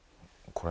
これ。